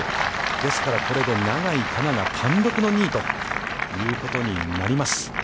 ですから、これで永井花奈が単独の２位ということになります。